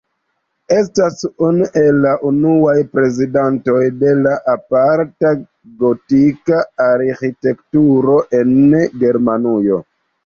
Estas unu el la unuaj reprezentantoj de aparta gotika arĥitekturo en Germanujo.